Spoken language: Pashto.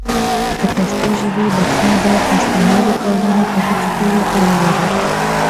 د پښتو ژبي بقا د پښتنو لیکوالانو په هڅو پوري اړه لري.